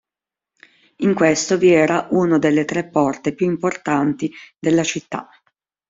In questo vi era una delle tre porte più importanti della città.